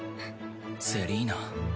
セリーナ。